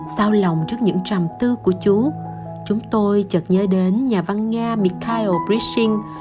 sau lòng trước những trầm tư của chú chúng tôi chợt nhớ đến nhà văn nga mikhail pritchin